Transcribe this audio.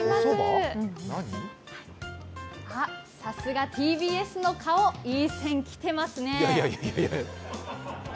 さすがＴＢＳの顔、いいセンきてますね。